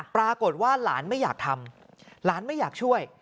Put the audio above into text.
ปรากฏว่าหลานไม่อยากทำหลานไม่อยากช่วย